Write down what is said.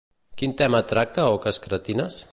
Quin tema tracta Oques cretines?